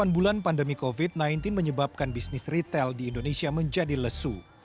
delapan bulan pandemi covid sembilan belas menyebabkan bisnis retail di indonesia menjadi lesu